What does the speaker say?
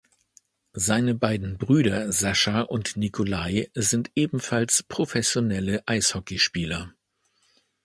Seine beiden Brüder Sascha und Nikolai sind ebenfalls professionelle Eishockeyspieler.